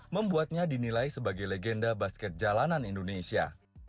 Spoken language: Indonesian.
membuatnya dinilai sebagai legenda basket jalanan indonesia